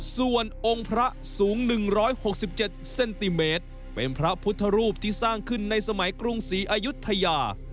ส่วนองค์พระสูง๑๖๗เซนติเมตรเป็นพระพุทธรูปที่สร้างขึ้นในสมัยกรุงศรีอายุทยา